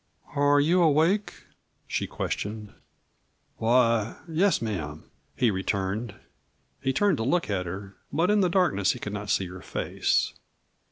"Are you awake," she questioned. "Why, yes, ma'am," he returned. He turned to look at her, but in the darkness he could not see her face.